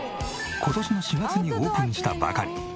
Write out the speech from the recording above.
今年の４月にオープンしたばかり。